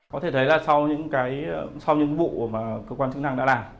có thể thấy là sau những cái sau những vụ mà cơ quan chức năng đã làm